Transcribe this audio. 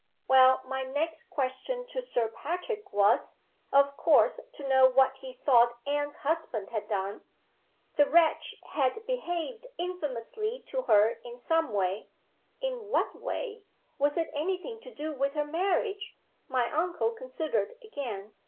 Well, my next question to Sir Patrick was, of course, to know what he thought Anne's husband had done. The wretch had behaved infamously to her in some way. In what way? Was it any thing to do with her marriage? My uncle considered again.